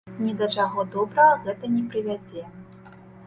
Ні да чаго добрага гэта не прывядзе.